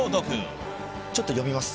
ちょっと読みます。